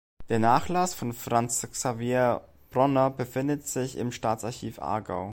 Der Nachlass von Franz Xaver Bronner befindet sich im Staatsarchiv Aargau.